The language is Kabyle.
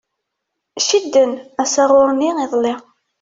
Cidden asaɣuṛ-nni iḍelli.